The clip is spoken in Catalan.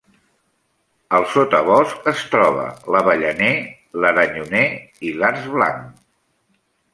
Al sotabosc es troba: l'avellaner, l'aranyoner i l'arç blanc.